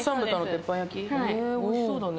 へぇおいしそうだね。